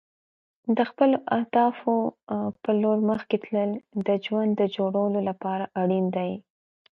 د خپلو اهدافو په لور مخکې تلل د ژوند د جوړولو لپاره اړین دي.